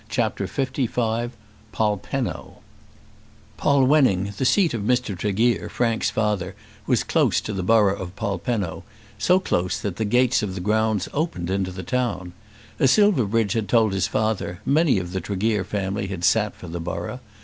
CHAPTER LV Polpenno Polwenning, the seat of Mr. Tregear, Frank's father, was close to the borough of Polpenno, so close that the gates of the grounds opened into the town. As Silverbridge had told his father, many of the Tregear family had sat for the borough.